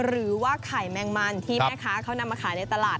หรือว่าไข่แมงมันที่แม่ค้าเขานำมาขายในตลาด